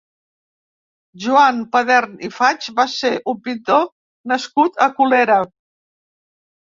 Joan Padern i Faig va ser un pintor nascut a Colera.